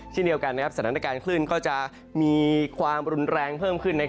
เช่นเดียวกันสถานการณ์คลื่นก็จะมีความรุนแรงเพิ่มขึ้น